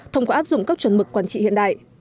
thông qua áp dụng các chuẩn mực quản trị hiện đại